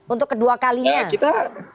untuk kedua kalinya